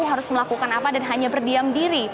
harus melakukan apa dan hanya berdiam diri